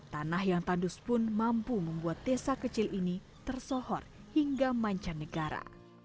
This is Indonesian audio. tanah yang tandus pun mampu membuat desa kecil ini tersohor hingga mancanegara